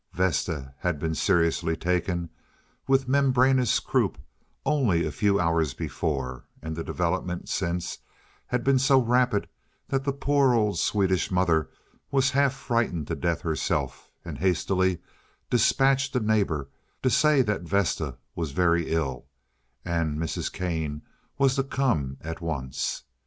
Vesta had been seriously taken with membranous croup only a few hours before, and the development since had been so rapid that the poor old Swedish mother was half frightened to death herself, and hastily despatched a neighbor to say that Vesta was very ill and Mrs. Kane was to come at once.